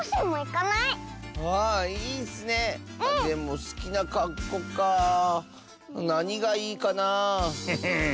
でもすきなかっこうかあなにがいいかな？へへ。